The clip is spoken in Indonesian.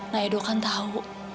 nah edo kan tahu